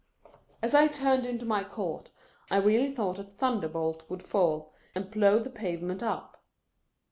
As I turned into my court, I really thought a thunderbolt would fall, and plough the pavement up.